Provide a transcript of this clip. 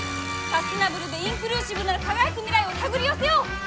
サステナブルでインクルーシブな輝く未来を手繰り寄せよう！